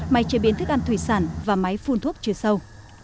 máy chế biến thức ăn thủy sản và máy phun thuốc chứa sâu